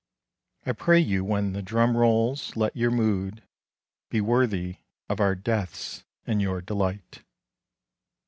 I pray you when the drum rolls let your mood Be worthy of our deaths and your delight.